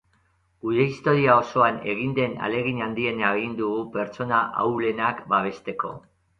Gure historia osoan egin den ahalegin handiena egin dugu pertsona ahulenak babesteko.